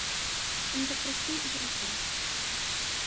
Ім так прасцей і зручней.